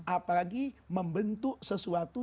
apalagi membentuk sesuatu